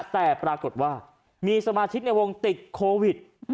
แต่ปรากฏว่ามีสมาชิกในวงติดโควิด